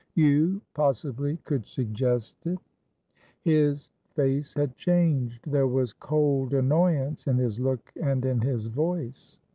You, possibly, could suggest it?" His face had changed. There was cold annoyance in his look and in his voice.